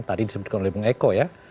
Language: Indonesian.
tadi disebutkan oleh bung eko ya